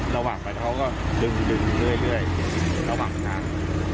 ระหว่างไปเขาก็ดึงเรื่อยระหว่างทาง